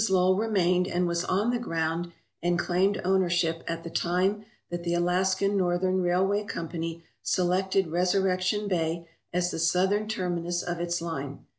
Lowell remained and was on the ground and claimed ownership at the time that the Alaska Northern Railway Company selected Resurrection Bay as the southern terminus of its line.